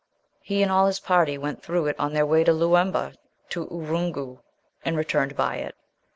He and all his party went through it on their way from Loowemba to Ooroongoo, and returned by it.